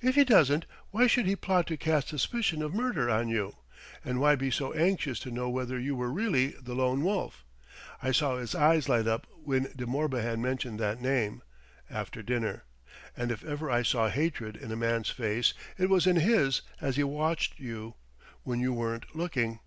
"If he doesn't, why should he plot to cast suspicion of murder on you, and why be so anxious to know whether you were really the Lone Wolf? I saw his eyes light up when De Morbihan mentioned that name, after dinner; and if ever I saw hatred in a man's face, it was in his as he watched you, when you weren't looking."